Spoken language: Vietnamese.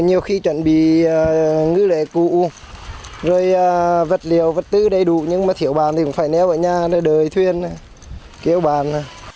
nhiều khi chuẩn bị ngư lễ cụ rồi vật liệu vật tư đầy đủ nhưng mà thiểu bàn thì cũng phải nếu ở nhà để đợi thuyền kiểu bàn